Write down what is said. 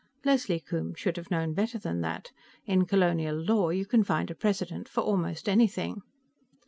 Leslie Coombes should have known better than that; in colonial law, you can find a precedent for almost anything.